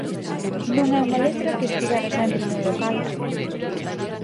Non é unha letra que estivera sempre no local.